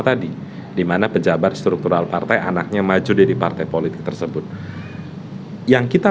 tadi dimana pejabat struktural partai anaknya maju jadi partai politik tersebut yang kita